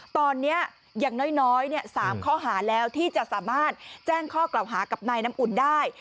ตอนนี้อย่างน้อย๓ข้อหาแล้วที่จะสามารถแจ้งข้อกล่าวหากับนายน้ำอุ่นได้